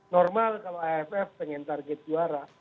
normal kalau aff pengen target juara